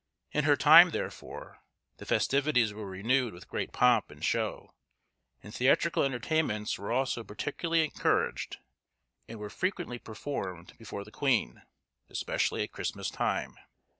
In her time, therefore, the festivities were renewed with great pomp and show; and theatrical entertainments were also particularly encouraged, and were frequently performed before the queen, especially at Christmas time.